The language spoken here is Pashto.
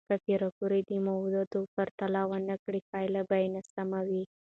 که پېیر کوري د موادو پرتله ونه کړي، پایله به ناسم وي.